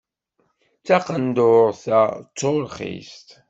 Taqendurt-a d turxist.